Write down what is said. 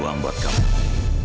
ini uang buat kamu